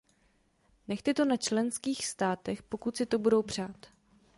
Nechte to na členských státech, pokud si to budou přát.